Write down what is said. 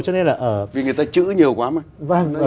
vì người ta chữ nhiều quá mà